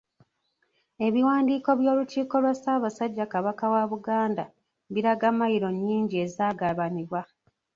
Ebiwandiiko by'Olukiiko lwa Ssaabasajja Kabaka wa Buganda biraga mailo nnyingi ezaagabanibwa.